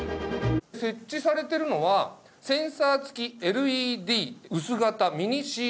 設置されてるのはセンサー付きＬＥＤ薄型ミニシーリングライト。